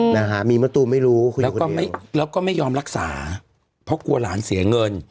นะฮะมีมะตูมไม่รู้แล้วก็ไม่แล้วก็ไม่ยอมรักษาเพราะกลัวหลานเสียเงิน